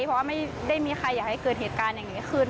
เพราะว่าไม่ได้มีใครอยากให้เกิดเหตุการณ์อย่างนี้ขึ้น